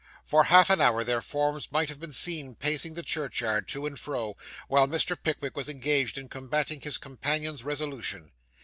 For half an hour, their forms might have been seen pacing the churchyard to and fro, while Mr. Pickwick was engaged in combating his companion's resolution.